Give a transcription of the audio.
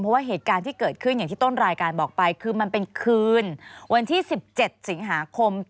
เพราะว่าเหตุการณ์ที่เกิดขึ้นอย่างที่ต้นรายการบอกไปคือมันเป็นคืนวันที่๑๗สิงหาคม